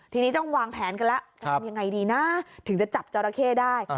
ทีนี้ต้องวางแผนกันแล้วจะทำยังไงดีนะถึงจะจับจอราเข้ได้